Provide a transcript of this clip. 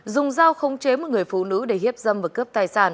dùng dao không chế một người phụ nữ để hiếp dâm và cướp tài sản